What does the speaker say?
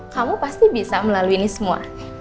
kamu pasti bisa melalui ini semua